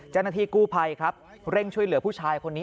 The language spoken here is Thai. จานนาธีกู้ภัยเร่งช่วยเหลือผู้ชายคนนี้